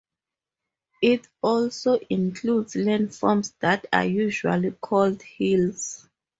It also includes landforms that are usually called hills.